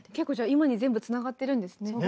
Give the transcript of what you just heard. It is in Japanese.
じゃあ今に全部つながってるんですね。